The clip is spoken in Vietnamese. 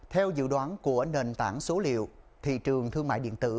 theo dự đoán của nền tảng số liệu thị trường thương mại điện tử